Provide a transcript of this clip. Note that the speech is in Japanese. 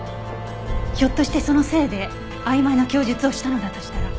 ひょっとしてそのせいで曖昧な供述をしたのだとしたら。